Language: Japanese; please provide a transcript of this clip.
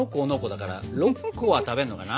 だから６個は食べるのかな。